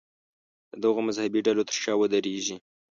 د دغو مذهبي ډلو تر شا ودرېږي.